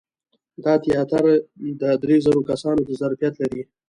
دا تیاتر د درې زره کسانو د ظرفیت لري.